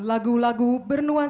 dan menerima pertemuan